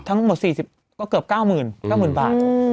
ทั้งหมด๔๐ก็เกือบ๙๙๐๐บาท